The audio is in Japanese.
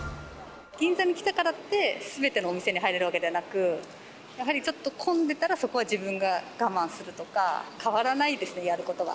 銀座に来たからって、すべてのお店に入れるわけではなく、やはりちょっと混んでたらそこは自分が我慢するとか、変わらないですね、やることは。